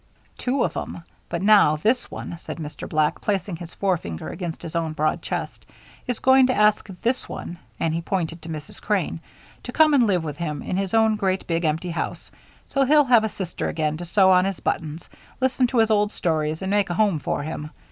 "Two of 'em. But now this one," said Mr. Black, placing his forefinger against his own broad chest, "is going to ask this one " and he pointed to Mrs. Crane "to come and live with him in his own great big empty house, so he'll have a sister again to sew on his buttons, listen to his old stories, and make a home for him.